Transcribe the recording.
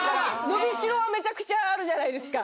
伸びしろはめちゃくちゃあるじゃないですか。